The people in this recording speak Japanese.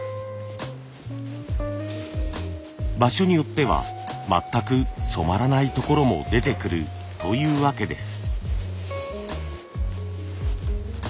場所によっては全く染まらないところも出てくるというわけです。